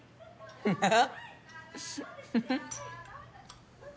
あっ。